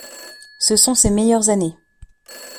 Ce sont ses meilleures années.